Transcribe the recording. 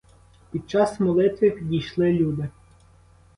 Під час молитви підійшли люди.